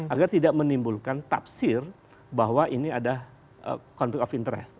agar tidak menimbulkan tafsir bahwa ini ada konflik of interest